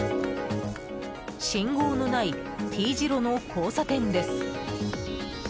信号のないＴ字路の交差点です。